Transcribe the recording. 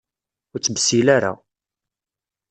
Ur ttbessil ara!